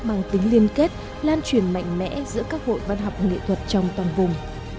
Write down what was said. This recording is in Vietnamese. mang tính liên kết lan truyền mạnh mẽ giữa các hội văn học nghệ thuật trong toàn vùng